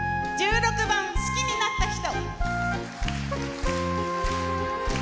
１６番「好きになった人」。